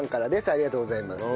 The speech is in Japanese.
ありがとうございます。